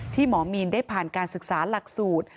หมอมีนได้ผ่านการศึกษาหลักสูตร